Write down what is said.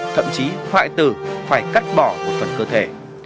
thậm chí hoại tử phải cắt bỏ một phần cơ thể